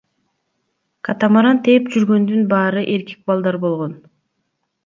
Катамаран тээп жүргөндүн баары эркек балдар болгон.